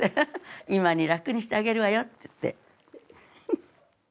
今に楽にしてあげるわよって。